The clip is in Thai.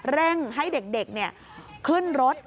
เร่งให้เด็กขึ้นรถ